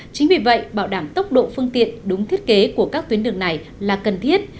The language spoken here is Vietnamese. chính vì vậy bảo đảm tốc độ phương tiện đúng thiết kế của các tuyến đường này là cần thiết